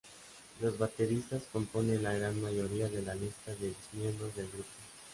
Los bateristas componen la gran mayoría de la lista de ex miembros del grupo.